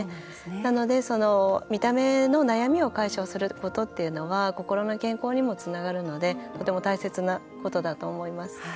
なので、見た目の悩みを解消することっていうのは心の健康にもつながるのでとても大切なことだと思います。